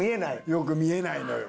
良く見えないのよ。